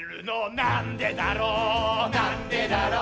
「なんでだろうなんでだろう」